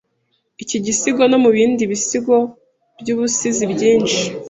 iki gisigo no mubindi bisigo byubusizi Byinshi